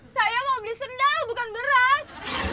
saya mau beli sendal bukan beras